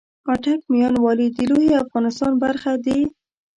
آټک ، ميان والي د لويې افغانستان برخه دې